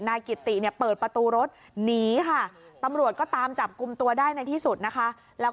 กิติเนี่ยเปิดประตูรถหนีค่ะตำรวจก็ตามจับกลุ่มตัวได้ในที่สุดนะคะ